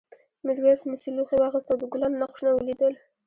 میرويس مسي لوښی واخیست او د ګلانو نقشونه ولیدل.